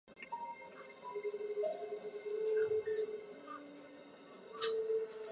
拉明河畔圣卡塔赖因是奥地利施蒂利亚州穆尔河畔布鲁克县的一个市镇。